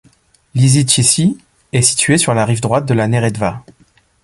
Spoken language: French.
Lisičići est situé sur la rive droite de la Neretva.